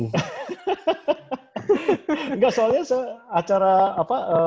enggak soalnya acara apa